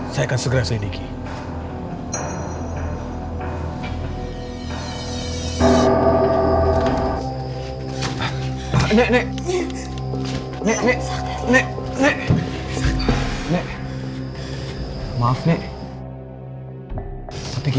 saya akan segera selidiki